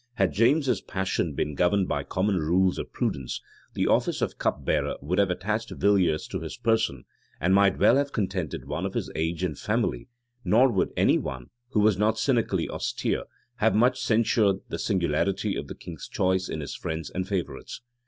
Had James's passion been governed by common rules of prudence, the office of cup bearer would have attached Villiers to his person, and might well have contented one of his age and family; nor would any one, who was not cynically austere, have much censured the singularity of the king's choice in his friends and favorites.